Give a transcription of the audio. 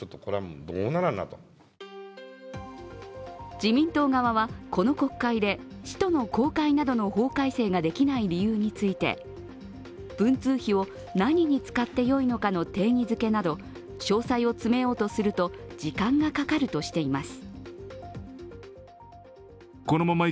自民党側はこの国会で使途の公開などの法改正ができない理由について、文通費を何に使ってよいのかの定義付けなど詳細を詰めようとすると時間がかかるとしています。